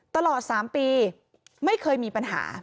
ตลอด๓ปีไม่เคยมีปัญหา